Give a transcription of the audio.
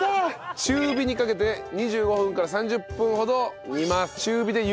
中火にかけて２５分から３０分ほど煮ます。